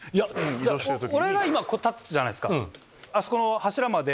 俺が今立つじゃないですか。